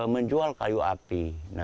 menjual kayu api